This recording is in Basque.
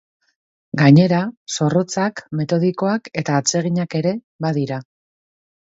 Gainera, zorrotzak, metodikoak eta atseginak ere badira.